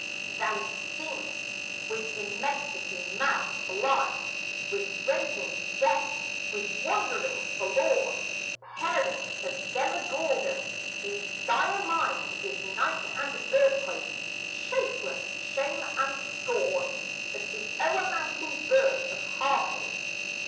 Thou seemest with immensity mad, blind With raving deaf, with wandering forlorn; Parent of Demogorgon whose dire mind Is night and earthquake, shapeless shame and scorn Of the o'ermounting birth of Harmony.